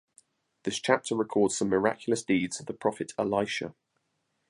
This chapter records some miraculous deeds of the prophet Elisha.